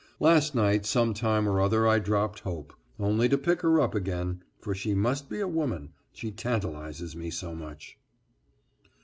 Last night some time or other I dropped hope, only to pick her up again, for she must be a woman she tantalizes me so much.